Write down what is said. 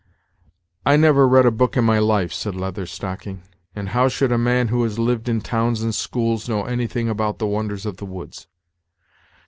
"I never read a book in my life," said Leather Stocking; "and how should a man who has lived in towns and schools know anything about the wonders of the woods?